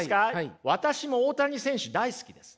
私も大谷選手大好きです。